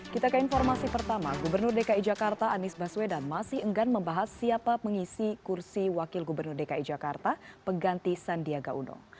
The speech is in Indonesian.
kita ke informasi pertama gubernur dki jakarta anies baswedan masih enggan membahas siapa mengisi kursi wakil gubernur dki jakarta pengganti sandiaga uno